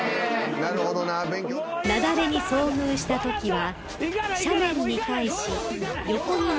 ［雪崩に遭遇したときは］